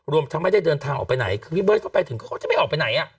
รวมทั้งไม่ได้เดินทางออกไปไหนคือพี่เบิร์ตก็ไปถึงเขาก็จะไม่ออกไปไหนอ่ะ